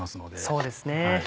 そうですね。